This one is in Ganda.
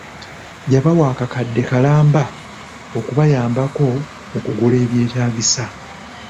Yabawa akakadde kalamba okubayambako mukugula ebyetagisa.